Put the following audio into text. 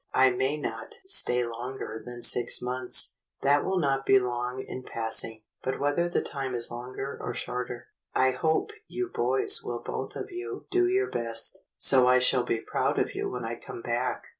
I may not stay longer than six months; that will not be long in passing; but whether the time is longer or shorter, I hope you boys will both of you THE THANKSGIVING CANDLE 143 do your best, so I shall be proud of you when I come back."